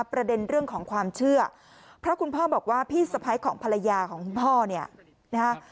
เพราะพระคุณพ่อบอกว่าพี่สะพ้ายของภรรยาของน้องคุณพ่อ